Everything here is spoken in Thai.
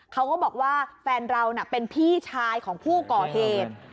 เขาก็บอกว่าแฟนเราน่ะเป็นพี่ชายของผู้ก่อเหตุ